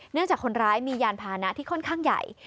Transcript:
จากคนร้ายมียานพานะที่ค่อนข้างใหญ่